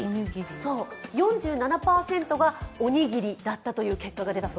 そう、４７％がおにぎりだったという結果が出ましたよ。